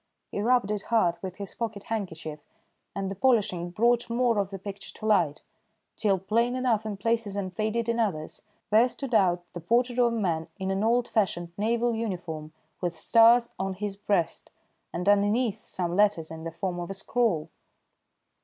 He rubbed it hard with his pocket handkerchief, and the polishing brought more of the picture to light, till, plain enough in places and faded in others, there stood out, the portrait of a man in an old fashioned naval uniform with stars on his breast, and underneath some letters in the form of a scroll.